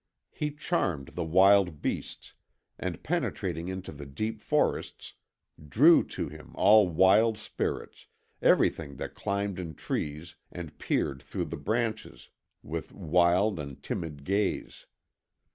He charmed the wild beasts, and penetrating into the deep forests drew to him all wild spirits, every thing that climbed in trees and peered through the branches with wild and timid gaze.